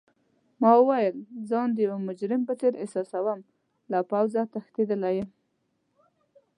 ما وویل: ځان د یو مجرم په څېر احساسوم، له پوځه تښتیدلی یم.